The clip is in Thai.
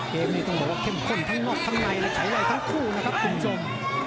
เกมนี้ต้องบอกว่าเข้มข้นทั้งนอกทั้งในและใช้ไวทั้งคู่นะครับคุณผู้ชม